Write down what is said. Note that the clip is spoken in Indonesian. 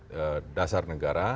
satuan dasar negara